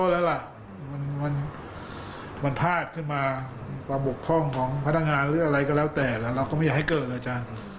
เราก็ไม่อยากให้เกิดเลยจ้ะ